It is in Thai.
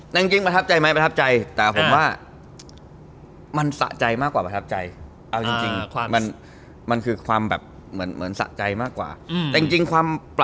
แต่จริงประทับใจไหมประทับใจแต่ผมว่า